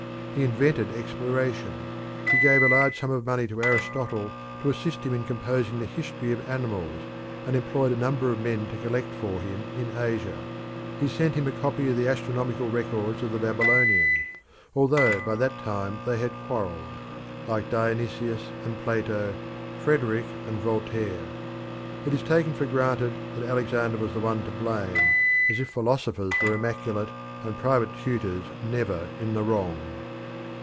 He invented exploration. He gave a large sum of money to Aristotle to assist him in composing the history of animals, and employed a number of men to collect for him in Asia. He sent him a copy of the astronomical records of the Babylonians, although by that time they had quarrelled like Dionysius and Plato, Frederick and Voltaire. It is taken for granted that Alexander was the one to blame, as if philosophers were immaculate and private tutors never in the wrong.